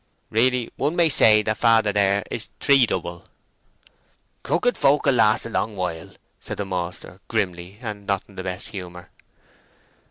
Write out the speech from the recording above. "Really one may say that father there is three double." "Crooked folk will last a long while," said the maltster, grimly, and not in the best humour.